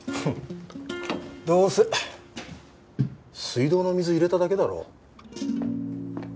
フンッどうせ水道の水入れただけだろ？